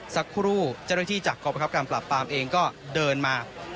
สักครู่เจ้าหน้าที่จากกรประคับการปราบปรามเองก็เดินมา